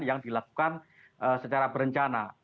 yang dilakukan secara berencana